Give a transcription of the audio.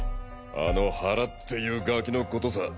あの原っていうガキのことさ！